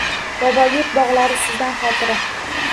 Boboyurt bog’lari sizdan xotira